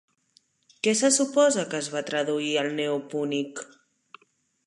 Què se suposa que es va traduir al neopúnic?